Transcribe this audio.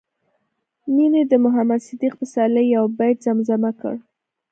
مينې د محمد صديق پسرلي يو بيت زمزمه کړ